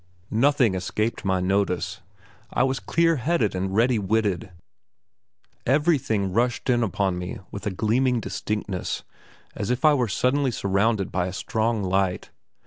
Nothing escaped my notice; I was clear headed and ready witted. Everything rushed in upon me with a gleaming distinctness, as if I were suddenly surrounded by a strong light.